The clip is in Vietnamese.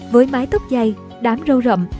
với mái tóc dày đám râu rậm